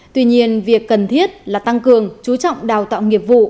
tuy nhiên việc cần thiết là tăng cường chú trọng đào tạo nghiệp vụ